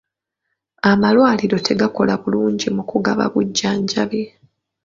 Amalwaliro tegakola bulungi mu kugaba bujjanjabi.